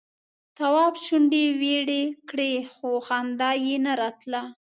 تواب شونډې ويړې کړې خو خندا یې نه راتله.